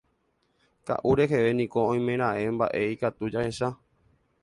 Ka'u reheve niko oimeraẽ mba'e ikatu jahecha.